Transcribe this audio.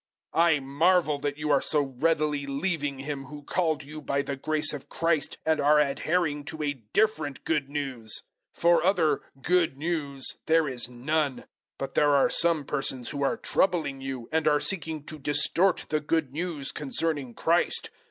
001:006 I marvel that you are so readily leaving Him who called you by the grace of Christ, and are adhering to a different Good News. 001:007 For other "Good News" there is none; but there are some persons who are troubling you, and are seeking to distort the Good News concerning Christ.